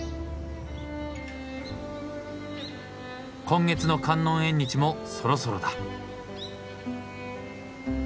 今月の観音縁日もそろそろだ。